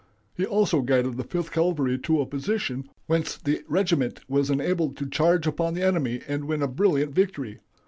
He also guided the Fifth Cavalry to a position whence the regiment was enabled to charge upon the enemy and win a brilliant victory.